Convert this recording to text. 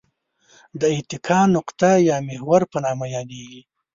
د اتکا نقطه یا محور په نامه یادیږي.